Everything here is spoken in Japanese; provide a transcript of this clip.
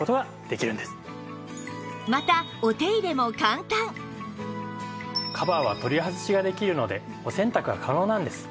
またカバーは取り外しができるのでお洗濯が可能なんです。